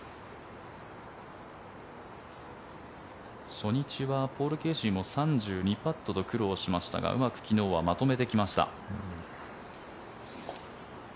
初日はポール・ケーシーも３２パットと苦労しましたがうまく昨日はまとめてきました。